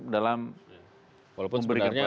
dalam memberikan pelayanan